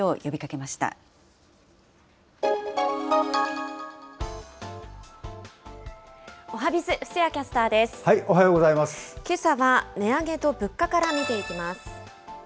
けさは値上げと物価から見ていきます。